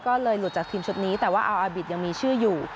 ก็เลยหลุดจากทีมชุดนี้แต่ว่าอัลอาบิตยังมีชื่ออยู่